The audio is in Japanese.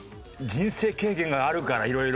人生経験があるからいろいろ。